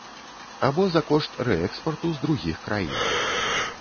Або за кошт рээкспарту з другіх краінаў.